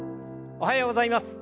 おはようございます。